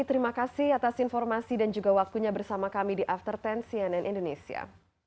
terima kasih atas informasi dan juga waktunya bersama kami di after sepuluh cnn indonesia